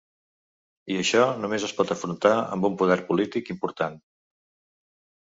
I això només es pot afrontar amb un poder polític important.